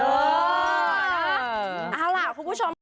เอาล่ะคุณผู้ชม